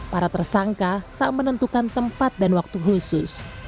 para tersangka tak menentukan tempat dan waktu khusus